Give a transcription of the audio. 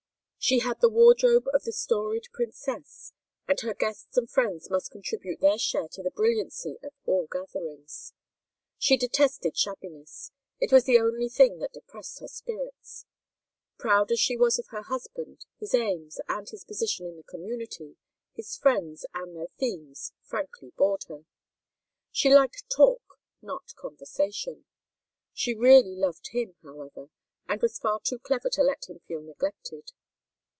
She had the wardrobe of the storied princess, and her guests and friends must contribute their share to the brilliancy of all gatherings. She detested shabbiness; it was the only thing that depressed her spirits. Proud as she was of her husband, his aims, and his position in the community, his friends and their themes frankly bored her. She liked talk, not conversation. She really loved him, however, and was far too clever to let him feel neglected.